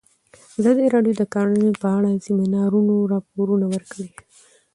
ازادي راډیو د کرهنه په اړه د سیمینارونو راپورونه ورکړي.